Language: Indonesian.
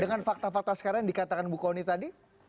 dengan fakta fakta sekarang yang dikatakan bu kony tadi